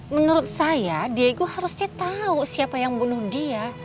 menurut saya diego harusnya tahu siapa yang bunuh dia